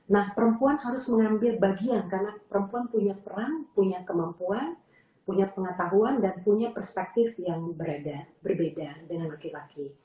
nah perempuan harus mengambil bagian karena perempuan punya peran punya kemampuan punya pengetahuan dan punya perspektif yang berbeda dengan laki laki